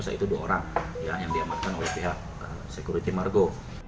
yaitu dua orang yang diamatkan oleh pihak sekuriti margo